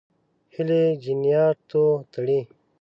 هیلې جنیاتو تړي.